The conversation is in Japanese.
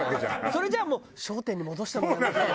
それじゃあもう「商店に戻してもらえますか」。